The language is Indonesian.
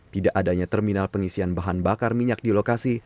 tidak adanya terminal pengisian bahan bakar minyak di lokasi